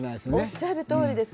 おっしゃるとおりです。